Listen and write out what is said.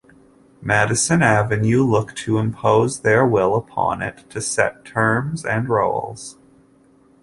Madison Avenue look to impose their will upon it, to set terms and roles.